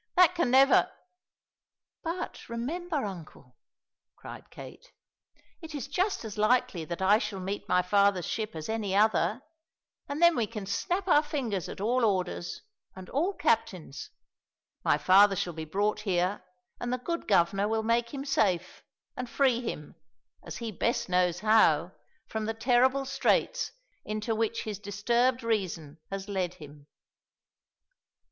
That can never " "But remember, uncle," cried Kate, "it is just as likely that I shall meet my father's ship as any other, and then we can snap our fingers at all orders and all captains. My father shall be brought here and the good Governor will make him safe, and free him, as he best knows how, from the terrible straits into which his disturbed reason has led him."